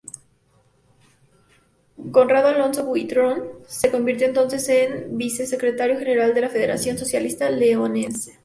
Conrado Alonso Buitrón se convirtió entonces en Vicesecretario General de la Federación Socialista Leonesa.